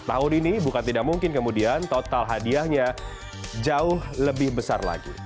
tahun ini bukan tidak mungkin kemudian total hadiahnya jauh lebih besar lagi